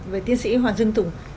về tiên sĩ hoàng dương tùng